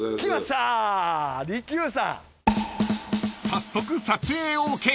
［早速］